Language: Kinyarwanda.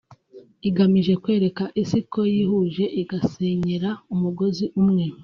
Igamije kwereka Isi ko yihuje igasenyera umugozi umwe